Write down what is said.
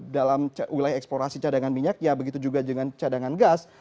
dalam wilayah eksplorasi cadangan minyak ya begitu juga dengan cadangan gas